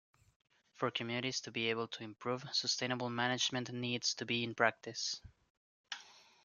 For communities to be able to improve, sustainable management needs to be in practice.